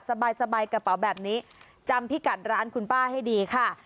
สบายกระเป๋าแบบนี้จำพิกัดร้านคุณป้าให้ดีค่ะ